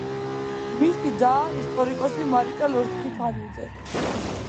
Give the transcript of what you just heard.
მისი დაა ისტორიკოსი მარიკა ლორთქიფანიძე.